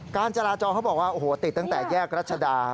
การจราจรเขาบอกว่าโอ้โหติดตั้งแต่แยกรัชดา